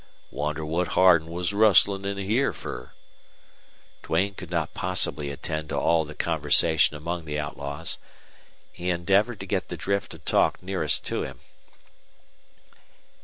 "Wondered what Hardin was rustlin' in here fer." Duane could not possibly attend to all the conversation among the outlaws. He endeavored to get the drift of talk nearest to him.